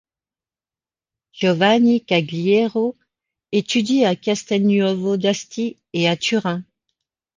Giovanni Cagliero étudie à Castelnuovo d'Asti et à Turin.